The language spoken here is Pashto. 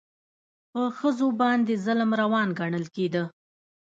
په ښځو باندې ظلم روان ګڼل کېده.